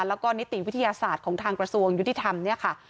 แล้วก็นิติวิทยาศาสตร์ของทางกระทรวงยุติธรรมเนี่ยค่ะ